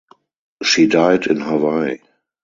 She died in Hawaii.